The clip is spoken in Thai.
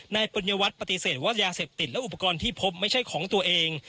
ปัญญวัตรปฏิเสธว่ายาเสพติดและอุปกรณ์ที่พบไม่ใช่ของตัวเอง